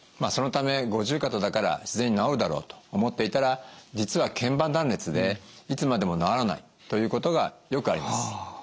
そのため五十肩だから自然に治るだろうと思っていたら実は腱板断裂でいつまでも治らないということがよくあります。